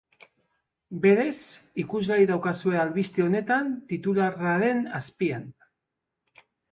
Berez, ikusgai daukazue albiste honetan, titularraren azpian.